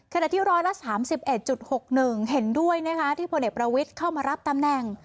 ขณะที่ร้อยละ๓๑๖๑เห็นด้วยนะคะที่พลเอกประวิทย์เข้ามารับตำแหน่ง